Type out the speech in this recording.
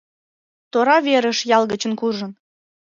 Тора верыш ял гычын куржын.